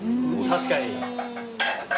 確かに。